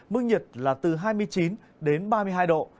mức nhiệt là từ hai mươi chín đến ba mươi hai độ